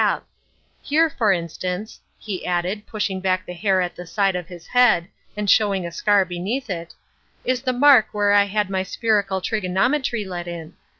Here, for instance," he added, pushing back the hair at the side of his head and showing a scar beneath it, "is the mark where I had my spherical trigonometry let in.